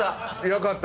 よかった。